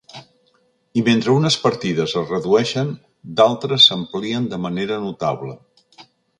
I mentre unes partides es redueixen, d’altres s’amplien de manera notable.